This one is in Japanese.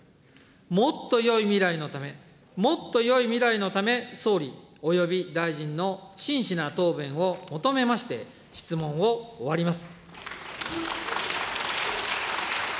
もっとよい未来のため、もっとよい未来のため、総理、および大臣の真摯な答弁を求めまして、質問を終わります。